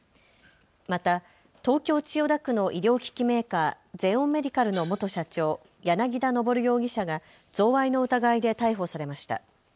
また東京千代田区の医療機器メーカー、ゼオンメディカルの元社長、柳田昇容疑者が贈賄の疑いで逮捕されました。